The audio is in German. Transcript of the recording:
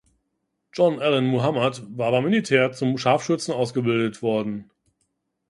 John Allen Muhammad war beim Militär zum Scharfschützen ausgebildet worden.